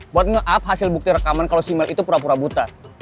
buat nge up hasil bukti rekaman kalau si mel itu pura pura buta